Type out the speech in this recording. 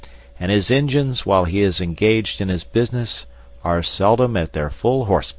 And his engines, while he is engaged in his business, are seldom at their full 'h.p.'"